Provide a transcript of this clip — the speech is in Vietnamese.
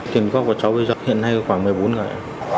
tiền góp của cháu bây giờ hiện nay khoảng một mươi bốn người